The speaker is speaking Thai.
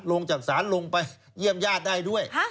ลงจากศาลลงไปเยี่ยมญาติได้ด้วย